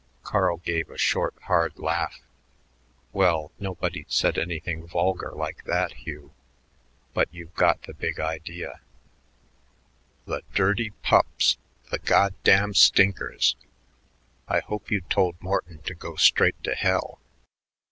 Carl gave a short, hard laugh. "Well, nobody said anything vulgar like that, Hugh, but you've got the big idea." "The dirty pups! The goddamn stinkers! I hope you told Morton to go straight to hell."